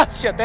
hah siat ya